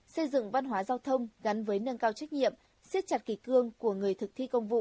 xây dựng văn hóa giao thông gắn với nâng cao trách nhiệm siết chặt kỳ cương của người thực thi công vụ